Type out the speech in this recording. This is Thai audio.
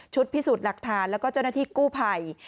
พิสูจน์หลักฐานแล้วก็เจ้าหน้าที่กู้ภัย